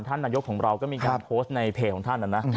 ท่านนายกของเราก็มีการโพสต์ในเพจของท่านนะนะ